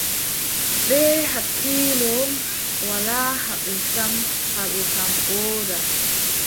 Bee hakkiilo, walaa haɓre sam, haɓre kam wooda.